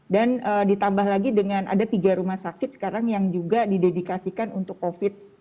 dan ditambah lagi dengan ada tiga rumah sakit sekarang yang juga didedikasikan untuk covid